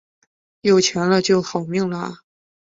有钱了就要好命了啊